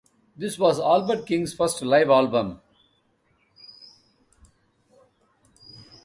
This was Albert King's first live album.